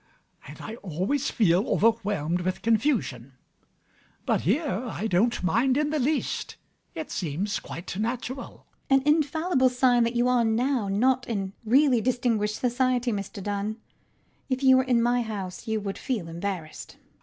And I always feel overwhelmed with confusion. But here, I don't mind in the least: it seems quite natural. LADY UTTERWORD. An infallible sign that you are now not in really distinguished society, Mr Dunn. If you were in my house, you would feel embarrassed.